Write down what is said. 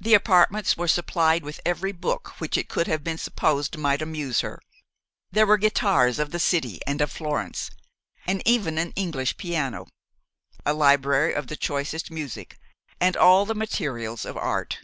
The apartments were supplied with every book which it could have been supposed might amuse her; there were guitars of the city and of Florence, and even an English piano; a library of the choicest music; and all the materials of art.